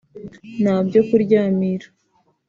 nta byo kuryamira